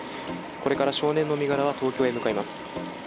これから少年の身柄は東京へ向か